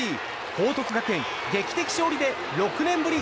報徳学園、劇的勝利で６年ぶり